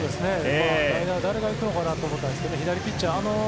代打、誰が行くのかなと思ったんですけど左ピッチャー